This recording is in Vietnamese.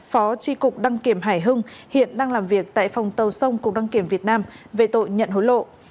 phó tri cục đăng kiểm hải hưng hiện đang làm việc tại phòng tàu sông cục đăng kiểm việt nam về tội nhận hối lộ